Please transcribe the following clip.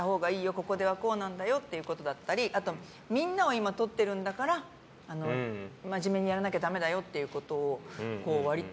ここではこうなんだよということであったりあとみんなを撮っているんだからまじめにやらなきゃダメだよっていうことを、割と。